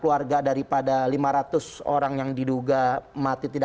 karena kemarin masih ada tentang pertemuan lanjutan ini